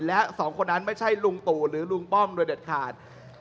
และสองคนนั้นไม่ใช่ลุงตู่หรือลุงป้อมโดยเด็ดขาด